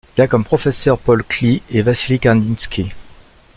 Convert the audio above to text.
Il a comme professeurs Paul Klee and Vassily Kandinsky.